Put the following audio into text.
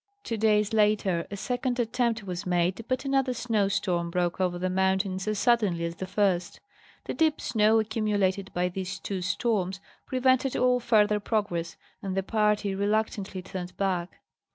'Two days later a second attempt was made, but another snow storm broke over the mountains as suddenly as. the first. The deep snow accumulated by these two storms. prevented all further progress, and the party reluctantly turned back.